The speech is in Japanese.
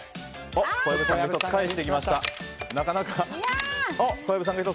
小籔さんが返してきました。